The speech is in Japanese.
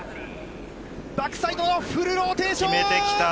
バックサイドのフルローテーション。